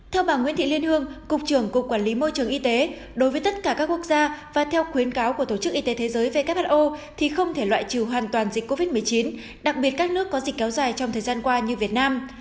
theo bà nguyễn thị liên hương cục trưởng cục quản lý môi trường y tế đối với tất cả các quốc gia và theo khuyến cáo của tổ chức y tế thế giới who thì không thể loại trừ hoàn toàn dịch covid một mươi chín đặc biệt các nước có dịch kéo dài trong thời gian qua như việt nam